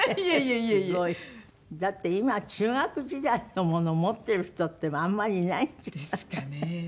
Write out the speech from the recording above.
だって今中学時代のもの持ってる人ってあんまりいないんじゃない？ですかね。